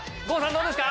どうですか？